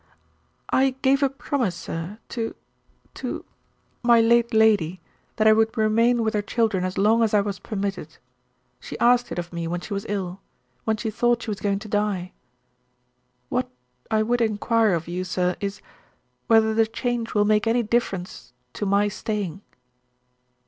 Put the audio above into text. "I gave a promise sir, to to my late lady that I would remain with her children as long as I was permitted. She asked it of me when she was ill when she thought she was going to die. What I would inquire of you, sir, is, whether the change will make any difference to my staying?"